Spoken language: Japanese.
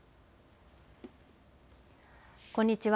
こんにちは。